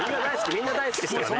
みんな大好きですからね。